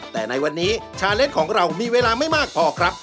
แต่ในวันนี้ชาเล่นของเรามีเวลาไม่มากพอครับ